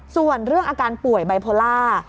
ส่วนเรื่องอาการป่วยไบโพล่า